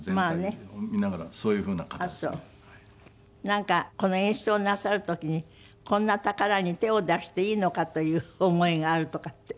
なんかこの演出をなさる時にこんな宝に手を出していいのかという思いがあるとかって。